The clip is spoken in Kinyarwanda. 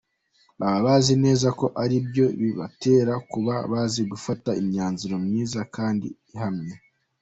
Baba bazi neza ko ari byo bibatera kuba bazi gufata imyanzuro myiza kandi ihamye.